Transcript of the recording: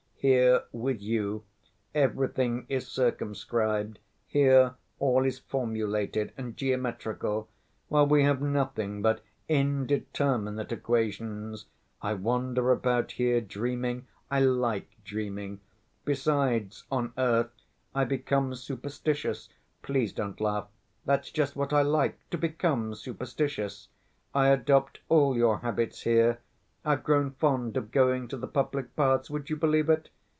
Here, with you, everything is circumscribed, here all is formulated and geometrical, while we have nothing but indeterminate equations! I wander about here dreaming. I like dreaming. Besides, on earth I become superstitious. Please don't laugh, that's just what I like, to become superstitious. I adopt all your habits here: I've grown fond of going to the public baths, would you believe it?